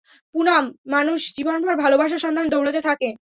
পুনাম, মানুষ জীবনভর ভালবাসার সন্ধানে দোঁড়াতে থাকে।